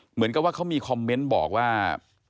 เหมือนกับว่าเขามีคอมเมนต์บอกว่า